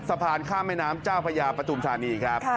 สะพานข้ามแม่น้ำเจ้าพระยาปฐุมธานีครับ